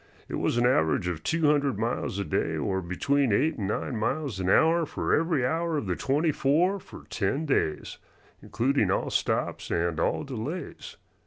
It was an average of two hundred miles a day, or between eight and nine miles an hour for every hour of the twenty four for ten days, including all stops and all delays.